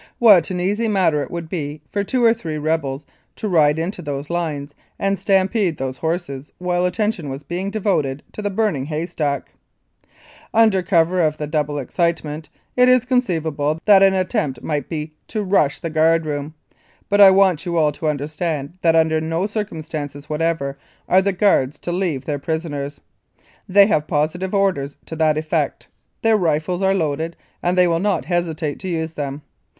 What an easy matter it would be for two or three rebels to ride into those lines and stampede those horses while attention was being devoted to the burning haystack ! Under cover of the double excitement it is conceivable that an attempt might be made to * rush ' the guard room, but I want you all to understand that under no circumstances what ever are the guard to leave their prisoners. They have positive orders to that effect. Their rifles are loaded and they will not hesitate to use them.